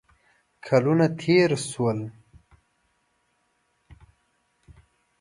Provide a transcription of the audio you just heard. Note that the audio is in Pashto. کلونه تېر شول.